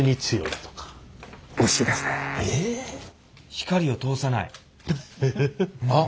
光を通さない。